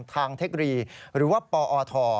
ทางเทครีหรือว่าปอท